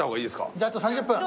じゃああと３０分。